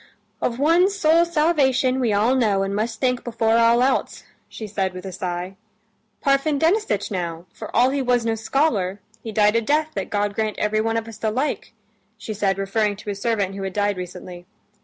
"Of one's soul's salvation we all know and must think before all else," she said with a sigh. "Parfen Denisitch now, for all he was no scholar, he died a death that God grant everyone of us the like," she said, referring to a servant who had died recently.